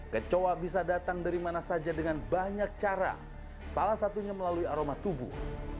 kecoa bisa datang dari mana saja dengan banyak cara salah satunya melalui aroma tubuh